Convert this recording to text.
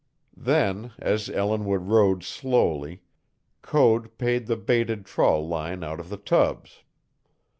Then, as Ellinwood rowed slowly, Code paid the baited trawl line out of the tubs.